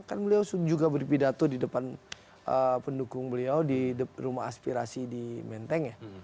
kan beliau juga berpidato di depan pendukung beliau di rumah aspirasi di menteng ya